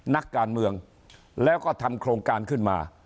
นักการเมืองแล้วก็ทำโครงการขึ้นมา